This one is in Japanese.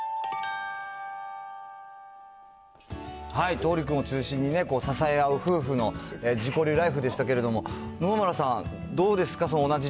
桃琉くんを中心に支え合う夫婦の自己流ライフでしたけれども、野々村さん、どうですか？